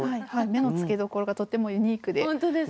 目の付けどころがとてもユニークで。